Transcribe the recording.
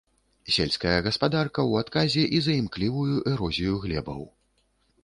Сельская гаспадарка ў адказе і за імклівую эрозію глебаў.